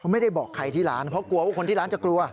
ไม่ได้บอกใครที่ร้านเพราะกลัวว่าคนที่ร้านจะกลัว